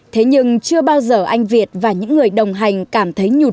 thế nhưng chưa bao giờ anh việt và những người đồng hành cảm thấy nhùn